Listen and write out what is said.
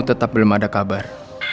om kamu tetap belum ada kabar